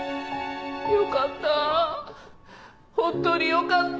よかった。